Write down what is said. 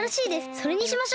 それにしましょう！